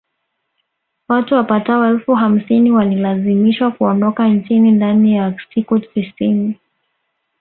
Watu wapatao elfu hamsini walilazimishwa kuondoka nchini ndani ya siku tisini